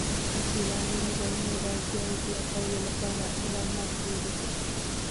د سیلاني ځایونو د اړتیاوو پوره کولو لپاره اقدامات کېږي.